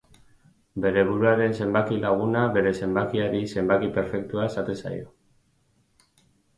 Bere buruaren zenbaki laguna den zenbakiari zenbaki perfektua esaten zaio.